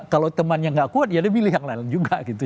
kalau temannya nggak kuat ya dia milih yang lain juga gitu